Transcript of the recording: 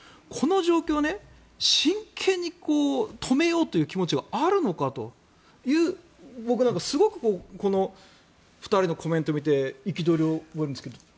この状況を真剣に止めようという気持ちはあるのかという僕なんかはすごくこの２人のコメントを見て憤りを覚えるんですけど。